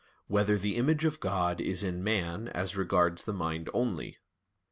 6] Whether the Image of God Is in Man As Regards the Mind Only?